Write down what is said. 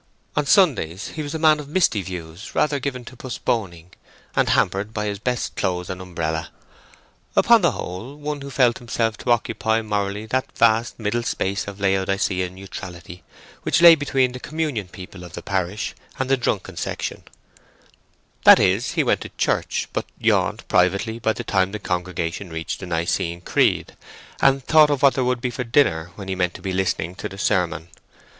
On Sundays he was a man of misty views, rather given to postponing, and hampered by his best clothes and umbrella: upon the whole, one who felt himself to occupy morally that vast middle space of Laodicean neutrality which lay between the Communion people of the parish and the drunken section,—that is, he went to church, but yawned privately by the time the congregation reached the Nicene creed, and thought of what there would be for dinner when he meant to be listening to the sermon.